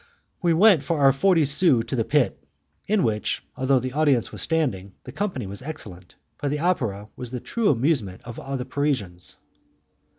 We went for our forty sous to the pit, in which, although the audience was standing, the company was excellent, for the opera was the favourite amusement of the Parisians.